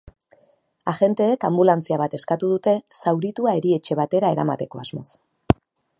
Agenteek anbulantzia bat eskatu dute zauritua erietxe batera eramateko asmoz.